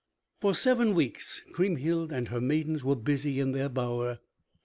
For seven weeks Kriemhild and her maidens were busy in their bower.